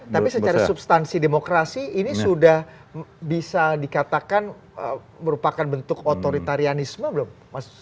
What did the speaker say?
tapi secara substansi demokrasi ini sudah bisa dikatakan merupakan bentuk otoritarianisme belum